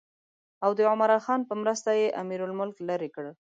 او د عمرا خان په مرسته یې امیرالملک لرې کړ.